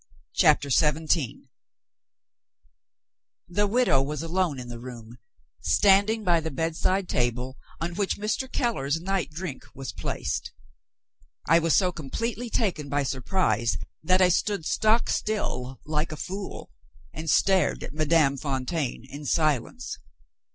CHAPTER XVII The widow was alone in the room; standing by the bedside table on which Mr. Keller's night drink was placed. I was so completely taken by surprise, that I stood stock still like a fool, and stared at Madame Fontaine in silence.